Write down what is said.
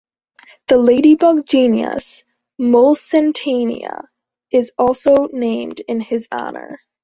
The ladybug genus "Mulsantina" is also named in his honor.